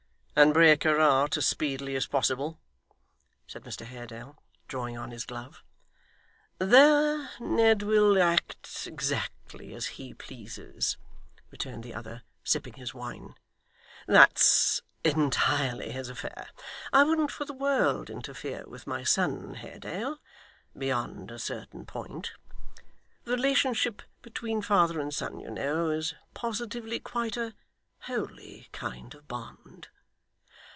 'And break her heart as speedily as possible?' said Mr Haredale, drawing on his glove. 'There Ned will act exactly as he pleases,' returned the other, sipping his wine; 'that's entirely his affair. I wouldn't for the world interfere with my son, Haredale, beyond a certain point. The relationship between father and son, you know, is positively quite a holy kind of bond.